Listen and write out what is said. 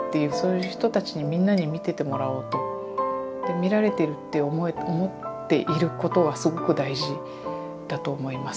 見られてるって思っていることがすごく大事だと思います。